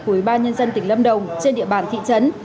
của ba nhân dân tỉnh lâm đồng trên địa bàn thị trấn